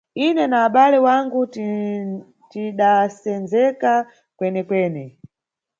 Ine na abale wangu tidasendzeka kwenekwene.